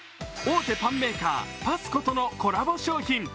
大手パンメーカーＰａｓｃｏとのコラボ商品。